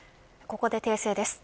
ここで訂正です。